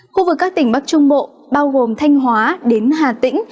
khu vực các tỉnh bắc trung bộ bao gồm thanh hóa đến hà tĩnh